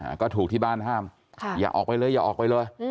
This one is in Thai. อ่าก็ถูกที่บ้านห้ามค่ะอย่าออกไปเลยอย่าออกไปเลยอืม